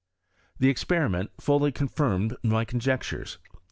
The experiment fully confirmed my conjectures.